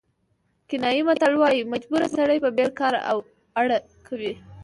کینیايي متل وایي مجبوري سړی په بېل کار اړ کوي.